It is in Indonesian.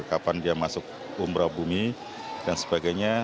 kapan dia masuk umrah bumi dan sebagainya